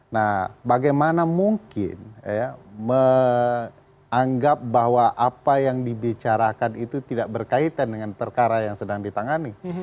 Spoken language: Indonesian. nah bagaimana mungkin ya menganggap bahwa apa yang dibicarakan itu tidak berkaitan dengan perkara yang sedang ditangani